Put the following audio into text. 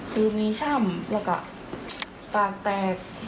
คือมีช่ำแล้วก็ปากแตก